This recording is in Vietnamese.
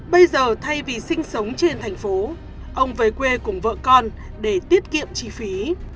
bây giờ thay vì sinh sống trên thành phố ông về quê cùng vợ con để tiết kiệm chi phí